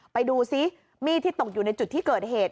ไปดูซิมีดที่ตกอยู่ในจุดที่เกิดเหตุ